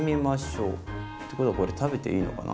ってことはこれ食べていいのかな？